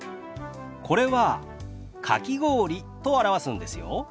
これは「かき氷」と表すんですよ。